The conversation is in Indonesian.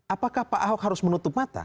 apakah pak ahok harus menutup mata